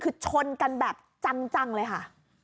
คือชนกันแบบจังเลยค่ะ